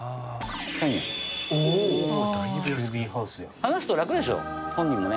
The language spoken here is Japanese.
話すと楽でしょ本人もね。